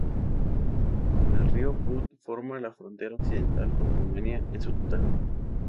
El Río Prut forma la frontera occidental con Rumania en su totalidad.